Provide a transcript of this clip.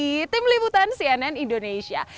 di tim liputan cnn indonesia